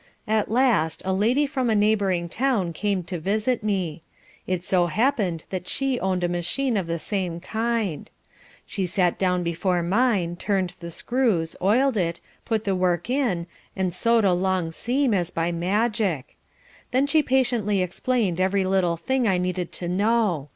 At last a lady from a neighbouring town came to visit me. It so happened that she owned a machine of the same kind. She sat down before mine, turned the screws, oiled it, put the work in, and sewed a long seam as by magic. Then she patiently explained every little thing I needed to know.